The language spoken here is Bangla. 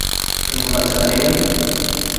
বাচ্ছা, তাই না?